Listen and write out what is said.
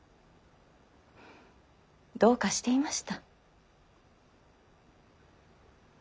どうかしていました。